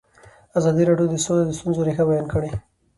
ازادي راډیو د سوله د ستونزو رېښه بیان کړې.